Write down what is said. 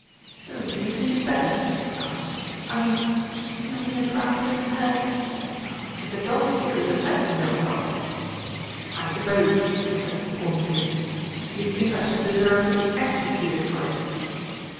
"Oh, do you think you'd better?" he asked. "I mean smacking a Crown Prince's head well, it's a jolly serious offence, you know what?" "I suppose," she said scornfully, "you think I should deserve to be executed for it."